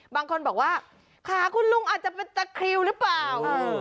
บางคนบอกว่าขาคุณลุงอาจจะเป็นตะคริวหรือเปล่า